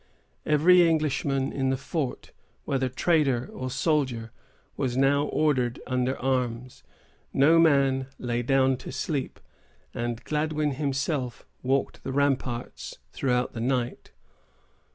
Every Englishman in the fort, whether trader or soldier, was now ordered under arms. No man lay down to sleep, and Gladwyn himself walked the ramparts throughout the night.